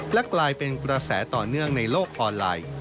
และกลายเป็นกระแสต่อเนื่องในโลกออนไลน์